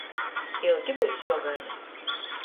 Ilgi byus juogaida?